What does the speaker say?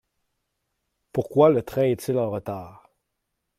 Pourquoi le train est-il en retard ?